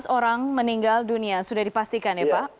sebelas orang meninggal dunia sudah dipastikan ya pak